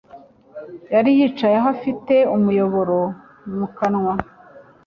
Yari yicaye aho afite umuyoboro mu kanwa